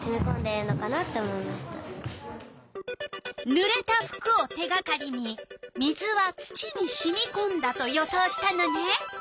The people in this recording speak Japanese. ぬれた服を手がかりに「水は土にしみこんだ」と予想したのね。